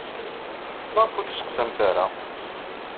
Maɣef ur d-tettasemt ara?